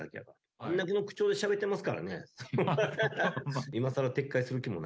あれだけの口調でしゃべってますからね。